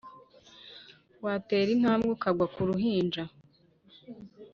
Watera intambwe ukagwa ku ruhinja